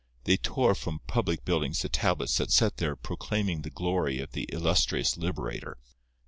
They tore from public buildings the tablets set there proclaiming the glory of the "Illustrious Liberator."